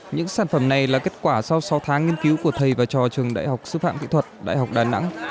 những sản phẩm này là kết quả sau sáu tháng nghiên cứu của thầy và trò trường đại học sư phạm kỹ thuật đại học đà nẵng